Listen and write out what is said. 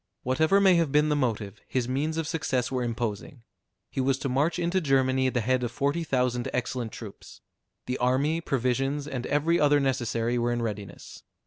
Whatever may have been the motive, his means of success were imposing. He was to march into Germany at the head of forty thousand excellent troops. The army, provisions, and every other necessary were in readiness.